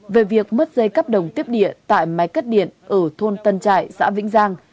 về việc mất dây cắp đồng tiếp địa tại máy cất điện ở thôn tân trại xã vĩnh giang